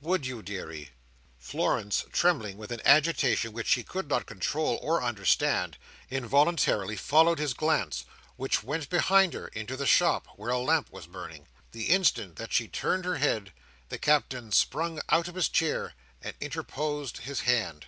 Would you, deary?" Florence, trembling with an agitation which she could not control or understand, involuntarily followed his glance, which went behind her into the shop, where a lamp was burning. The instant that she turned her head, the Captain sprung out of his chair, and interposed his hand.